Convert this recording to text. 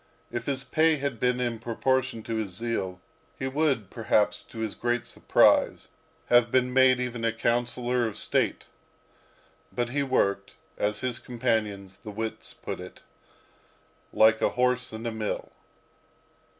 If his pay had been in proportion to his zeal, he would, perhaps, to his great surprise, have been made even a councillor of state. But he worked, as his companions, the wits, put it, like a horse in a mill.